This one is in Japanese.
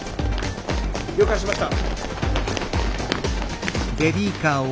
了解しました。